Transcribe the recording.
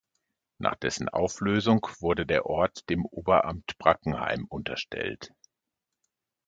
Nach dessen Auflösung wurde der Ort dem Oberamt Brackenheim unterstellt.